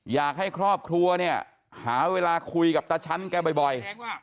อยากให้ครอบครัวเนี่ยหาเวลาคุยกับตาชั้นแกบ่อย